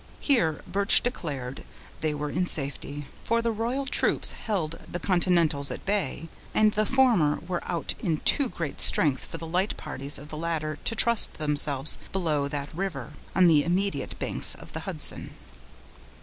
Here Birch declared they were in safety; for the royal troops held the continentals at bay, and the former were out in too great strength for the light parties of the latter to trust themselves below that river, on the immediate banks of the Hudson.